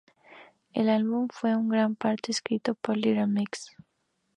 El álbum fue en gran parte escrito por Little Mix.